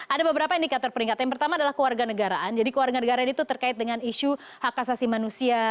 ada beberapa indikator peringkat yang pertama adalah keluarga negaraan jadi keluarga negaraan itu terkait dengan isu hak asasi manusia